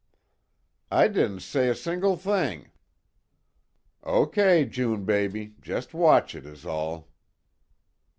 "I di'n' say single thing." "O_kay_, June baby, just watch it is all."